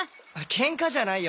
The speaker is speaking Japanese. ケンカじゃないよ。